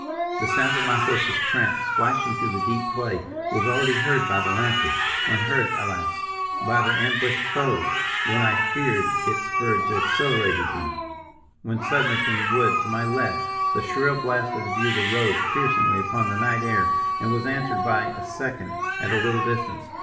"The sound of my horse's tramp, splashing through the deep clay, was already heard by the lancers, and heard, alas! by their ambushed foes, when I fear it spurred to accelerated action; when suddenly from the wood to my left, the shrill blast of the bugle rose piercingly upon the night air, and was answered by a second at a little distance.